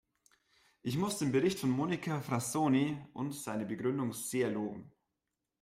Ich muss den Bericht von Monica Frassoni und seine Begründung sehr loben.